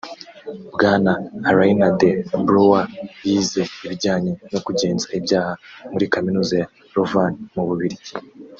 Bwana Alain De Brouwer yize ibijyanye no kugenza ibyaha muri Kaminuza ya Louvain mu Bubiligi